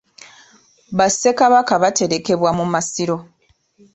Bassekabaka baterekebwa mu masiro.